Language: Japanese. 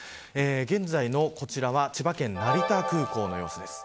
現在の千葉県成田空港の様子です。